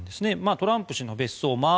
トランプ氏の別荘マー